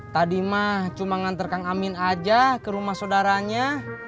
tadi mah cuma ngantar kang amin aja ke rumah saudaranya